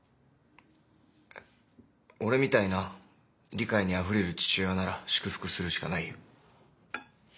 俺みたいな理解にあふれる父親なら祝福するしかないよ。